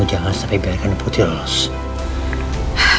hai hehehe gaping masuknya